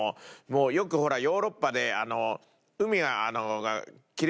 よくほらヨーロッパで。